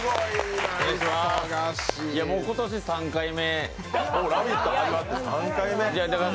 もう今年３回目。